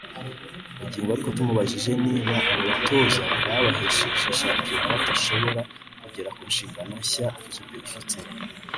Bugingo ariko tumubajije niba abo batoza babahesheje shampiyona batashobora kugera ku nshingano nshya ikipe ifite